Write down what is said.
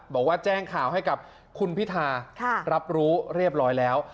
บอกว่าแจ้งข่าวให้กับคุณพิธารับรู้เรียบร้อยแล้ว